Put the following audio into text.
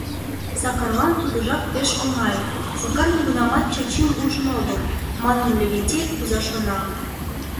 Сакарлан тудыжак пеш оҥай: Сакар нигунамат Чачим ужын огыл, манын Левентей кугыза шона.